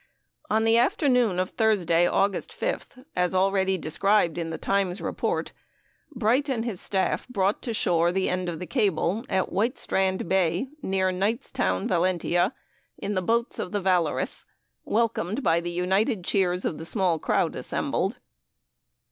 On the afternoon of Thursday, August 5th as already described in The Times report Bright and his staff brought to shore the end of the cable, at White Strand Bay, near Knight's Town, Valentia, in the boats of the Valorous, welcomed by the united cheers of the small crowd assembled.